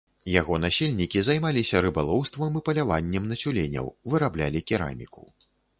Яго насельнікі займаліся рыбалоўствам і паляваннем на цюленяў, выраблялі кераміку.